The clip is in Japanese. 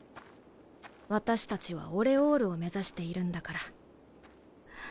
私たちは魂の眠る地を目指しているんだから。